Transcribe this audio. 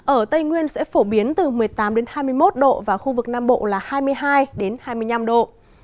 ở tây nguyên sẽ phổ biến từ một mươi tám hai mươi một độ và khu vực nam bộ là hai mươi hai hai mươi năm độ